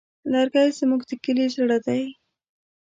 لرګی زموږ د کلي زړه دی.